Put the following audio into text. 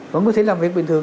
vẫn có thể làm việc bình thường